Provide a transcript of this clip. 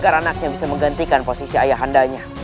agar anaknya bisa menggantikan posisi ayahandanya